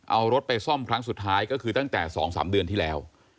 เอารถไปซ่อมครั้งสุดท้ายก็คือตั้งแต่๒๓เดือนที่แล้ว